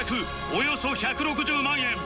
およそ１６０万円